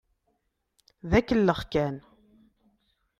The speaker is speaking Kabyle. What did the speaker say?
D akellex kan.